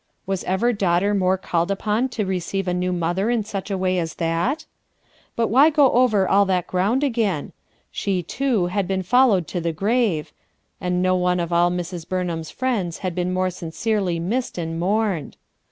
Was ever daughter before called upon to re ceive a new mother in such way as that? But why go over all that ground again? She too had been followed to the grave, and no one of all Mrs. Burnham's friends had been more sincerely missed and mourned.